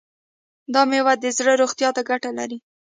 دا میوه د زړه روغتیا ته ګټه لري.